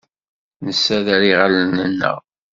Nessader iɣallen-nneɣ.